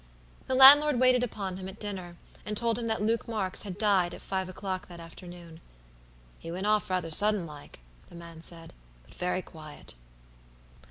The landlord waited upon him at dinner, and told him that Luke Marks had died at five o'clock that afternoon. "He went off rather sudden like," the man said, "but very quiet."